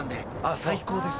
最高です。